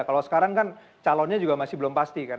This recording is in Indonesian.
kalau sekarang kan calonnya juga masih belum pasti kan